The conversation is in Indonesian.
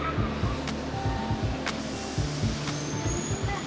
ini tuh coklat